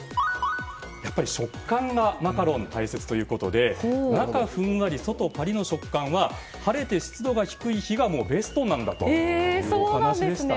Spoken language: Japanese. やっぱり食感がマカロンは大切ということで中はふんわり、外パリッの食感は晴れて湿度が低い日がベストなんだという話でした。